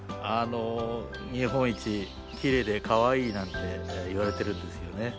日本一きれいでかわいいなんていわれているんですけどね。